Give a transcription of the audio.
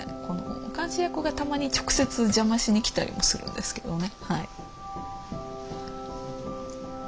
監視役がたまに直接邪魔しに来たりもするんですけどね。